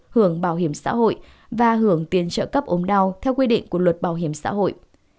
hưởng bảo hiểm xã hội và hưởng tiền trợ cấp ốm đau theo quy định của luật bảo hiểm xã hội